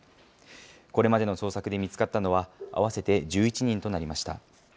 これまでの捜索で見つかったのは、合わせて１１人となりました。